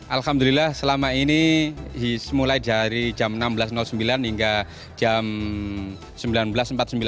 alhamdulillah selama ini mulai dari jam enam belas sembilan hingga jam